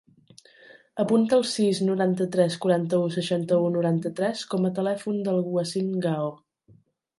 Apunta el sis, noranta-tres, quaranta-u, seixanta-u, noranta-tres com a telèfon del Wasim Gao.